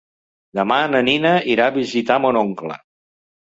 Demà na Nina irà a visitar mon oncle.